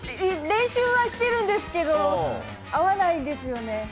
練習はしてるんですけど、合わないですよね。